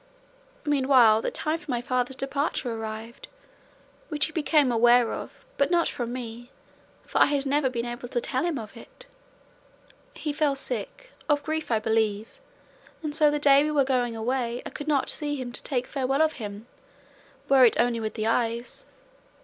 Meanwhile the time for my father's departure arrived, which he became aware of, but not from me, for I had never been able to tell him of it. He fell sick, of grief I believe, and so the day we were going away I could not see him to take farewell of him, were it only with the eyes.